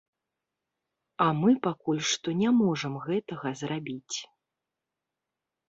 А мы пакуль што не можам гэтага зрабіць.